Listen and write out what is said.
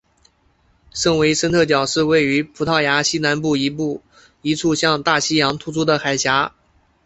圣维森特角是位于葡萄牙西南部一处向大西洋突出的海岬。